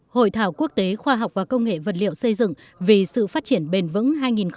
hội thảo quốc tế khoa học và công nghệ vật liệu xây dựng vì sự phát triển bền vững hai nghìn một mươi chín